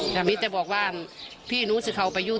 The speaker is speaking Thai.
ดังนี้จะบอกว่าพี่หนูจะเขาไปอยู่